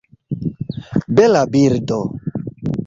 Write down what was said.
Bela birdo!